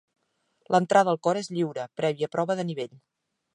L'entrada al Cor és lliure, prèvia prova de nivell.